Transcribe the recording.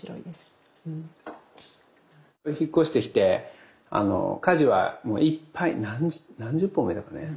引っ越してきて果樹はいっぱい何十本植えたかね？